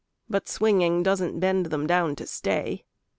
But swinging doesn't bend them down to stay.